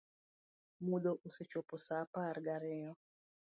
Mudho osechopo saa apar ga riyo